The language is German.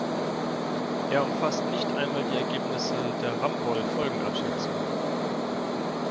Er umfasst nicht einmal die Ergebnisse der Ramboll-Folgenabschätzung.